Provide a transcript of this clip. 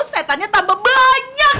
setannya tambah banyak